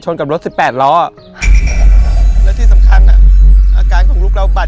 จนถึงวันนี้มาม้ามีเงิน๔ปี